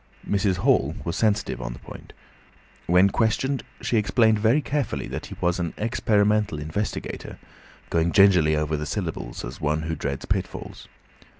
Mrs. Hall was sensitive on the point. When questioned, she explained very carefully that he was an "experimental investigator," going gingerly over the syllables as one who dreads pitfalls.